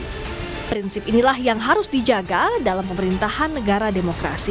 nah prinsip inilah yang harus dijaga dalam pemerintahan negara demokrasi